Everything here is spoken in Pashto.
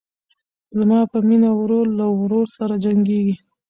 زما په مینه ورور له ورور سره جنګیږي